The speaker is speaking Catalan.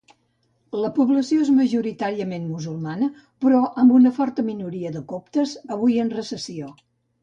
La població és majoritàriament musulmana però amb una forta minoria de coptes avui en recessió.